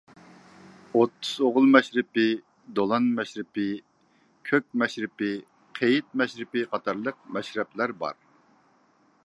ئوتتۇز ئوغۇل مەشرىپى، دولان مەشرىپى، كۆك مەشرىپى، قېيىت مەشرىپى قاتارلىق مەشرەپلەر بار.